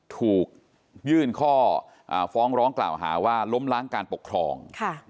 ถูกยื่นข้อฟ้องร้องกล่าวหาว่าล้มล้างการปกครอง